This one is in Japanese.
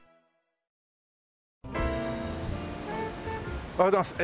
おはようございます。